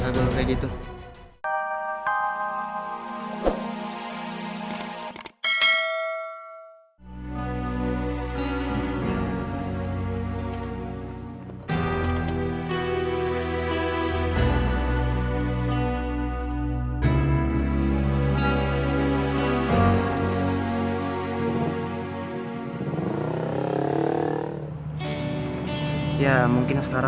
aduh bukan gitu kak dinda